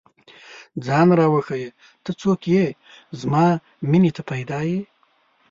ځان راوښیه، ته څوک ئې؟ زما مینې ته پيدا ې